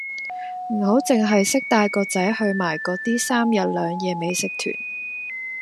唔好淨係識帶個仔去埋嗰啲三日兩夜美食團